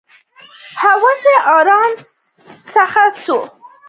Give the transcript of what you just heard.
هوسۍ ارام څښاک کوي.